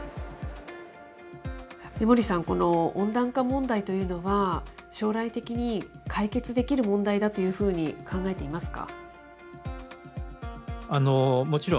江守さん、この温暖化問題というのは、将来的に解決できる問題だというふうに考えていますか？